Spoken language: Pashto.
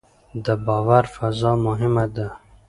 د باور فضا مهمه ده